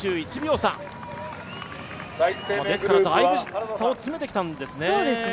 だいぶ差を詰めてきたんですね。